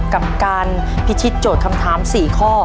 กับการพิชิตโจทย์คำถาม๔ข้อ